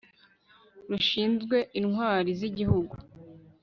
rushinzwe intwari z'igihugu